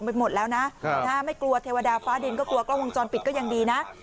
ไปหมดแล้วนะไม่กลัวเทวดาฟ้าดินก็กลัวกล้องวงจรปิดก็ยังดีนะ